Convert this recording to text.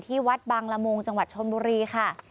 ที่วัดบางละมุงจังหวัดชนบุรีค่ะ